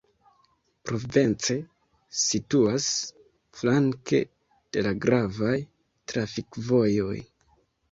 Provence situas flanke de la gravaj trafikvojoj.